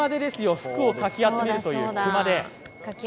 福をかき集めるという熊手。